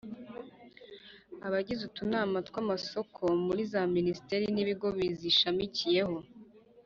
abagize utunama tw’amasoko muri za minisiteri n’ibigo bizishamikiyeho;